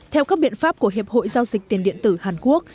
theo các biện pháp của hiệp hội giao dịch tiền điện tử hàn quốc